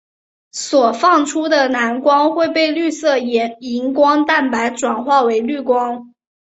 所放出的蓝光会被绿色荧光蛋白转变为绿光。